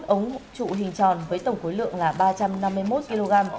bốn mươi một ống trụ hình tròn với tổng khối lượng là ba trăm năm mươi một kg